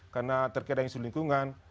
karena terkait dengan isu lingkungan